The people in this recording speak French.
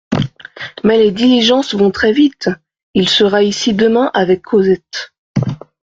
Mais les diligences vont très vite ! Il sera ici demain avec Cosette.